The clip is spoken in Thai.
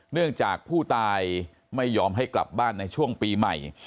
เนื่องจากผู้ตายไม่ยอมให้กลับบ้านในช่วงปีใหม่